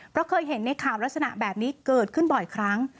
เพราะเคยเห็นในข่าวลักษณะแบบนี้เกิดขึ้นบ่อยครั้ง